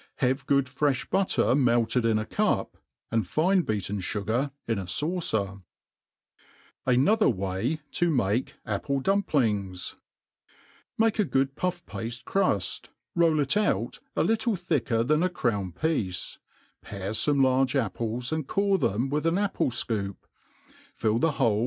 Have good frefll butter melted in a cup, and fine beaten fugar in a'faucer* Jrtbther Way to make Apple* Dumplings, MAKE a good pufF pafte cruft, roU it out a little thicker than a crown piece, pare Tome large apples, and core them with ah applewfcoop'; fill the hole